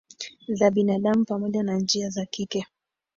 za binadamu pamoja na njia za kike